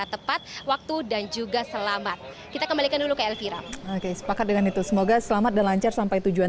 terima kasih pak selamat siang